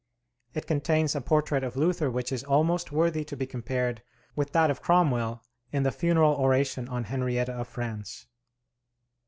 It contains a portrait of Luther which is almost worthy to be compared with that of Cromwell in the funeral oration on Henrietta of France.